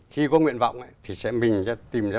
khi có nguyện vọng thì mình sẽ tìm ra